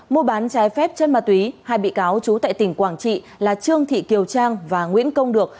mua bán trái phép chân ma túy hai bị cáo trú tại tỉnh quảng trị là trương thị kiều trang và nguyễn công được